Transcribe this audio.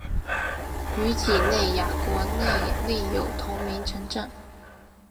于几内亚国内另有同名城镇。